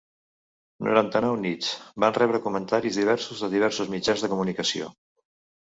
"Noranta-nou nits" van rebre comentaris diversos de diversos mitjans de comunicació.